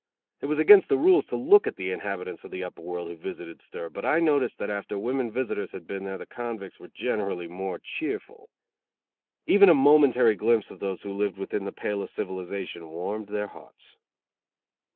It was against the rules to look at the inhabitants of the Upper World who visited stir, but I noticed that after women visitors had been there the convicts were generally more cheerful. Even a momentary glimpse of those who lived within the pale of civilization warmed their hearts.